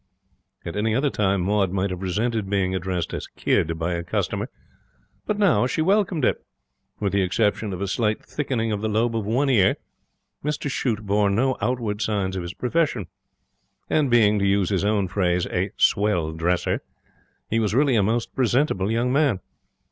At any other time Maud might have resented being addressed as 'kid' by a customer, but now she welcomed it. With the exception of a slight thickening of the lobe of one ear, Mr Shute bore no outward signs of his profession. And being, to use his own phrase, a 'swell dresser', he was really a most presentable young man.